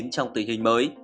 trong tình hình mới